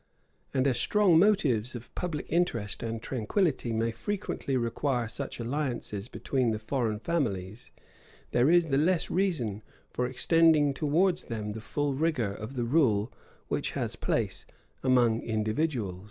And as strong motives of public interest and tranquillity may frequently require such alliances between the foreign families, there is the less reason for extending towards them the full rigor of the rule which has place among individuals.